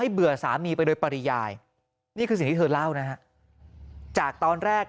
เบื่อสามีไปโดยปริยายนี่คือสิ่งที่เธอเล่านะฮะจากตอนแรก